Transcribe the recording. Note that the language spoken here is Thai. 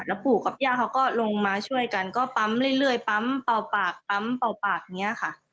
ปู่กับย่าเขาก็ลงมาช่วยกันก็ปั๊มเรื่อยปั๊มเป่าปากปั๊มเป่าปากอย่างนี้ค่ะ